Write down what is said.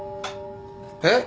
えっ？